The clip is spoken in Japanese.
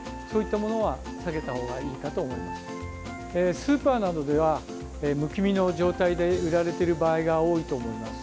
スーパーなどではむき身の状態で売られている場合が多いと思います。